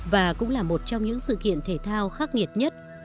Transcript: và cũng là một trong những sự kiện thể thao khắc nghiệt nhất